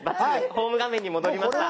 ホーム画面に戻りました。